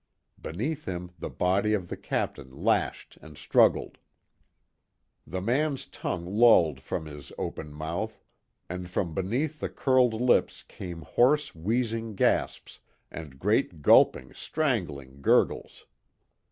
Beneath him the body of the Captain lashed and struggled. The man's tongue lolled from his open mouth, and from beneath the curled lips came hoarse wheezing gasps, and great gulping strangling gurgles.